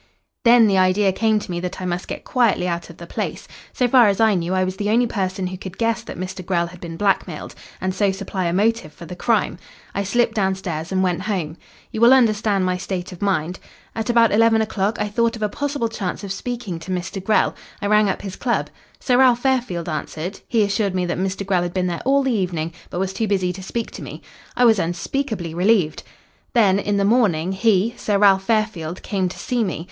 "Then the idea came to me that I must get quietly out of the place. So far as I knew I was the only person who could guess that Mr. Grell had been blackmailed and so supply a motive for the crime. I slipped downstairs and went home. You will understand my state of mind. At about eleven o'clock I thought of a possible chance of speaking to Mr. Grell. I rang up his club. Sir Ralph Fairfield answered. He assured me that Mr. Grell had been there all the evening, but was too busy to speak to me. I was unspeakably relieved. "Then in the morning, he, Sir Ralph Fairfield, came to see me.